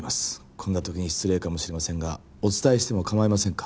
こんな時に失礼かもしれませんがお伝えしてもかまいませんか？